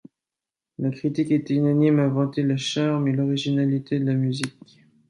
La critique a été unanime à vanter le charme et l'originalité de la musique.